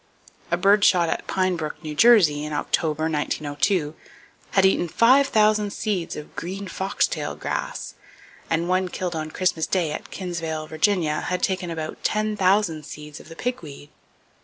A bird shot at Pine Brook, N.J., in October, 1902, had eaten five thousand seeds of green fox tail grass, and one killed on Christmas Day at Kinsale, Va., had [Page 220] taken about ten thousand seeds of the pig weed.